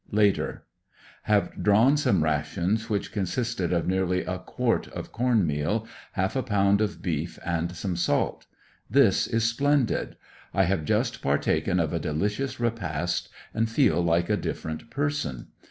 Later: Have drawn some rations which consisted of nearly a quart of corn meal, half a pound of beef, and some salt. This is splendid. I have just partaken of a delicious repast and feel like a different person.